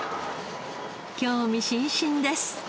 興味津々です。